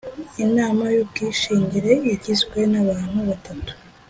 inama y ubwishingire igizwe n abantu batatu